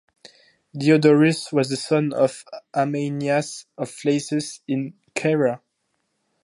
Diodorus was a son of Ameinias of Iasus in Caria.